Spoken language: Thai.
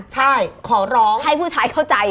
ใช่ขอร้องให้ผู้ชายเข้าใจ